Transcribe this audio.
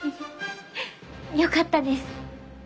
よかったです。